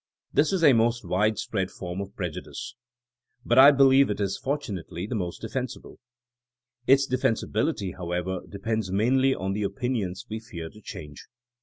This is a most wide spread form of prejudice. But I believe it is, fortimately, the most defensible. Its defensi biKty, however, depends mainly on the opinions we fear to change.